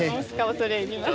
恐れ入ります。